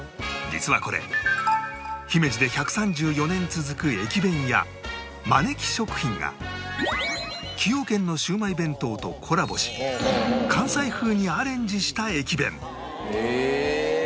実はこれ姫路で１３４年続く駅弁屋まねき食品が崎陽軒のシウマイ弁当とコラボし関西風にアレンジした駅弁へえ！